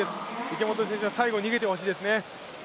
池本選手、最後逃げてほしいですね。